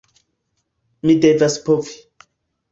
Mi devas povi.